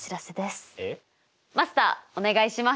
マスターお願いします！